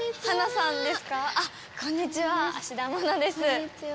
こんにちは。